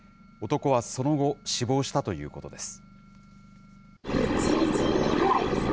男はその後、死亡したということです。